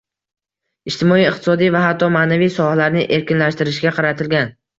Ijtimoiy, iqtisodiy va hatto ma’naviy sohalarni erkinlashtirishga qaratilgan